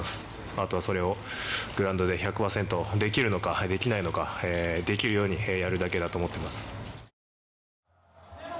あとは、それをグラウンドで１００％できるのかできないのかできるようにやるだけだと思ってます。